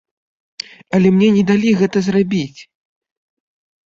Але мне не далі гэта зрабіць.